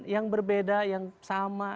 yang berbeda yang sama